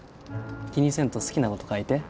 気にせんと好きなこと書いて。